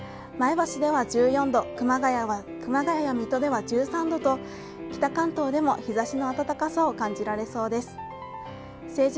前橋では１４度、熊谷や水戸では１３度と北関東でも日ざしの暖かさを感じられそうです。